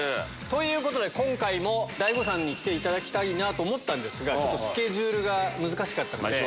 ということで今回も大悟さんに来ていただきたいなと思ったんですがスケジュールが難しかったので。